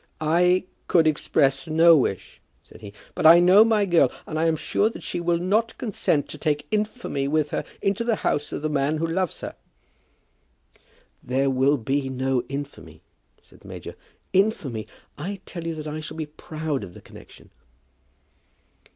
"I could express no wish," said he. "But I know my girl, and I am sure that she will not consent to take infamy with her into the house of the man who loves her." "There will be no infamy," said the major. "Infamy! I tell you that I shall be proud of the connexion."